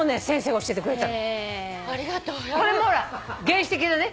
これもほら原始的なね。